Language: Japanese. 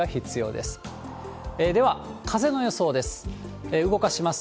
では、風の予想です。